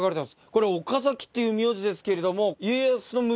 これ岡崎っていう名字ですけれども。